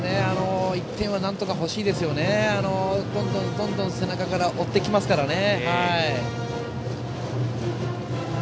１点はなんとか欲しいですよね。どんどん背中から追ってきますからね。